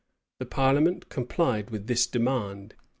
The parliament complied with this demand.